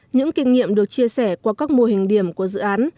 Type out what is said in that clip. những kinh nghiệm được chia sẻ qua các mô hình điểm của dự án